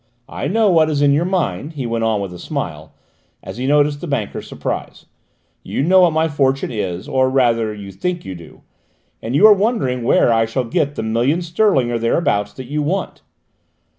I know what is in your mind," he went on with a smile, as he noticed the banker's surprise; "you know what my fortune is, or rather you think you do, and you are wondering where I shall get the million sterling, or thereabouts, that you want.